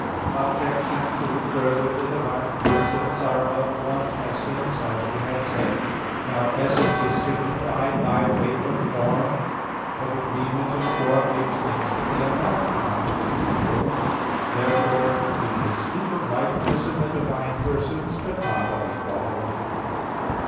Obj. 2: Further, the divine persons are of one essence, as we have said (Q. 39, A. 2). Now essence is signified by way of form. But agreement in form makes things to be alike, not to be equal. Therefore, we may speak of likeness in the divine persons, but not of equality.